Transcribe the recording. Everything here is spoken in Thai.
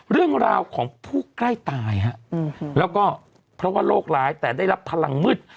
เรื่องราวของผู้ใกล้ตายฮะแล้วก็เพราะว่าโรคร้ายแต่ได้รับพลังมืด